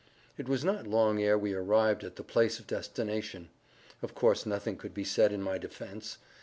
It was not long ere we arrived at the place of destination. Of course nothing could be said in my defence.